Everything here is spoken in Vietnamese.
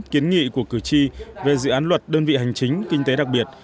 kiến nghị của cử tri về dự án luật đơn vị hành chính kinh tế đặc biệt